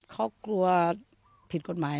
เขากลัวผิดกฎหมาย